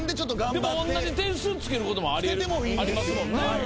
でもおんなじ点数つけることもありますもんね。